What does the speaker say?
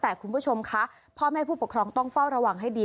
แต่คุณผู้ชมคะพ่อแม่ผู้ปกครองต้องเฝ้าระวังให้ดี